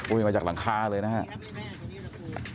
มาจากหลังคาเลยนะครับ